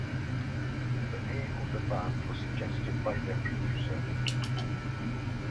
The name of the band was suggested by their producer.